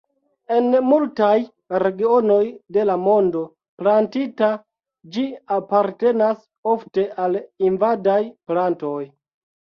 En multaj regionoj de la mondo plantita ĝi apartenas ofte al invadaj plantoj.